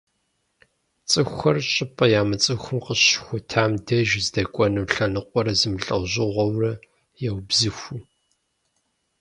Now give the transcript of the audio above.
ЦӀыхухэр щӀыпӀэ ямыцӀыхум къыщыщыхутам деж здэкӀуэну лъэныкъуэр зэмылӀэужьыгъуэурэ яубзыху.